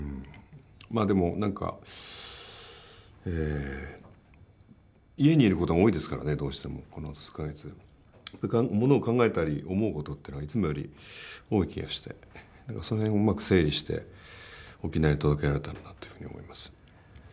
でも家にいることが多いですからねどうしてもこの数か月。ものを考えたり思うことってのがいつもより多い気がしてその辺をうまく整理して沖縄に届けられたらなってふうに思います。